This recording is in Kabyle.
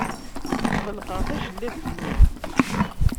Ɣelqeɣ tajellabt-nni.